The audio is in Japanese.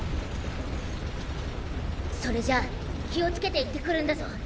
それじゃあ気をつけて行ってくるんだゾ。